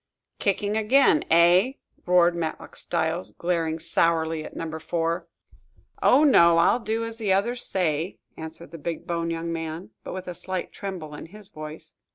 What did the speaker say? "Kicking again, eh?" roared Matlock Styles, glaring sourly at Number Four. "Oh, no; I'll do as the others say!" answered the big boned young man, but with a slight tremble in his voice.